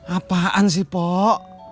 apaan sih pok